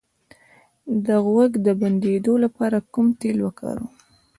د غوږ د بندیدو لپاره کوم تېل وکاروم؟